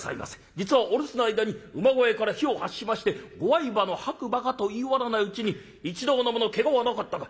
実はお留守の間に馬小屋から火を発しましてご愛馬の白馬が』と言い終わらないうちに『一同の者けがはなかったか？』。